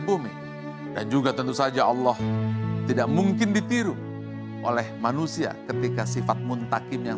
dan bumi dan juga tentu saja allah tidak mungkin ditiru oleh manusia ketika sifat muntakim yang